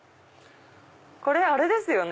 これあれですよね。